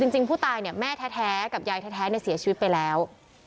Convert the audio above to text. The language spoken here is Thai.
จริงผู้ตายเนี่ยแม่แท้กับยายแท้เสียชีวิตไปแล้ว